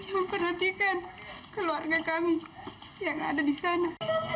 kami perhatikan keluarga kami yang ada di sana